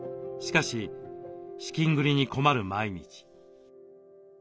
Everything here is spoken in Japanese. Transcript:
しかし資金繰りに困る毎日。